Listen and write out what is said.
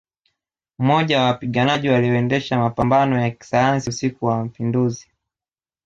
Mmoja wa wapiganaji walioendesha mapambano ya kisayansi usiku wa Mapinduzi